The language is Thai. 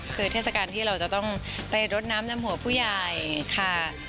คือเทศกาลที่เราจะต้องไปรดน้ำดำหัวผู้ใหญ่ค่ะ